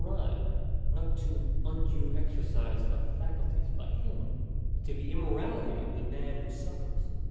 79 cribed, not to an undue exercise of faculties by him, but to the immorality of the man who suffers.